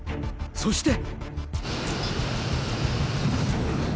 そして！